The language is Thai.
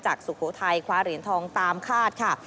สุโขทัยคว้าเหรียญทองตามคาดค่ะ